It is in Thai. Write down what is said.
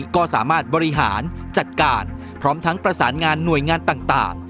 ก็สามารถบริหารจัดการพร้อมทั้งประสานงานหน่วยงานต่าง